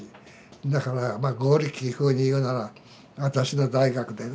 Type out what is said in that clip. だからまあゴーリキー風に言うなら「私の大学」でね。